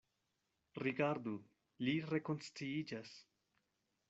Rigardu: li rekonsciiĝas.